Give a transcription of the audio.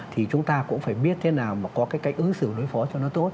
thì chúng ta cũng phải biết thế nào mà có cái cách ứng xử đối phó cho nó tốt